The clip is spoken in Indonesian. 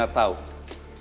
dari mana mama adrian tau